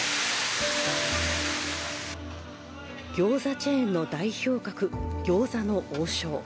ギョーザチェーンの代表格、餃子の王将。